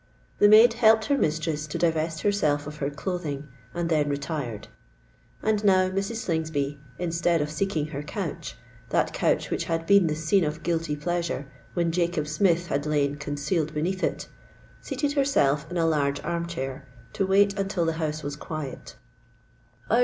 The maid helped her mistress to divest herself of her clothing, and then retired. And now Mrs. Slingsby, instead of seeking her couch—that couch which had been the scene of guilty pleasure, when Jacob Smith had lain concealed beneath it—seated herself in a large arm chair, to wait until the house was quiet.